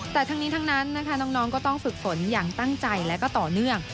แต่ทั้งนี้ทั้งนั้นนะคะน้องก็ต้องฝึกฝนอย่างตั้งใจและก็ต่อเนื่อง